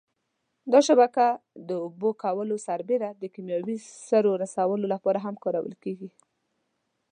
دا شبکه د اوبه کولو سربېره د کېمیاوي سرو رسولو لپاره هم کارول کېږي.